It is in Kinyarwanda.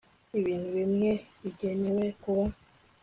ibintu bimwe bigenewe kuba